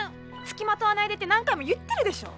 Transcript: つきまとわないでって何回も言ってるでしょ。